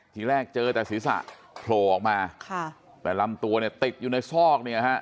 ที่แรกเจอแต่ศรีษะโผล่ออกมาแต่ลำตัวติดอยู่ในซอก